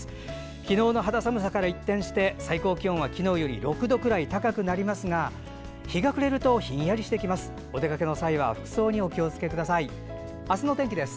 昨日の肌寒さから一転して最高気温は昨日より６度くらい高くなりますが日が暮れるとひんやりしてきます。